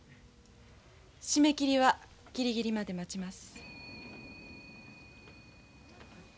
締め切りはギリギリまで待ちます。